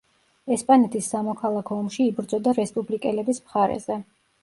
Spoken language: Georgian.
ესპანეთის სამოქალაქო ომში იბრძოდა რესპუბლიკელების მხარეზე.